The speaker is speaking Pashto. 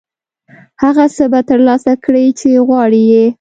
هغه څه به ترلاسه کړې چې غواړې یې.